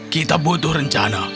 kita butuh rencana